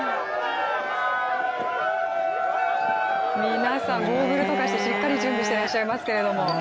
皆さん、ゴーグルとかしてしっかり準備してらっしゃいますけど。